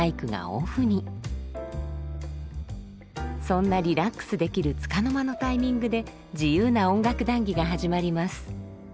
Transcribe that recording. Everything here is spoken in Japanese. そんなリラックスできるつかの間のタイミングで自由な音楽談議が始まります。